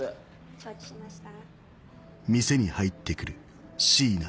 承知しました。